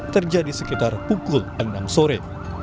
terjadi sekitar pukul enam sore